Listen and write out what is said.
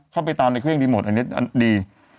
เข้าไปตามในเครื่องดีหมดอันนี้ดี